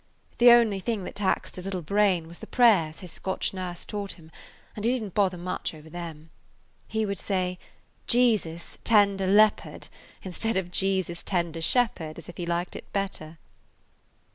"The only thing that taxed his little brain was the prayers his Scotch nurse taught him, and he didn't bother much over them. He would say, 'Jesus, tender leopard,' instead of 'Jesus, tender shepherd,' as if he liked it better."